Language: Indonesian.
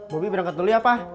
bobi berangkat dulu ya pak